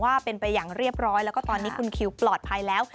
ว่าเป็นไปอย่างเรียบร้อยแล้วก็ตอนนี้คุณคิวปลอดภัยแล้ว